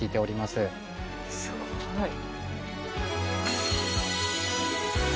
すごい。